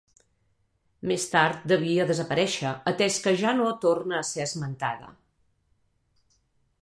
Més tard devia desaparèixer, atès que ja no torna a ser esmentada.